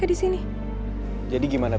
nanti kita jalan dimana tuh